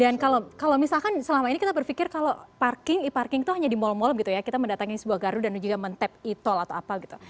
dan kalau misalkan selama ini kita berpikir kalau e parking itu hanya di mal mal gitu ya kita mendatangi sebuah gardu dan juga mentep e tol atau apa gitu